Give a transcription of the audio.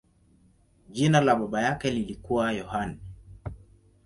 Jina la baba yake lilikuwa Yohane.